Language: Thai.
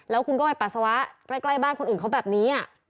แล้วคุณก็ไปปัสสาวะใกล้บ้านคนอื่นเขาแบบนี้